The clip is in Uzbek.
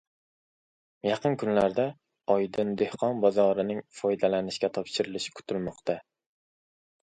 Yaqin kunlarda “Oydin” dehqon bozorining foydalanishga topshirilishi kutilmoqda.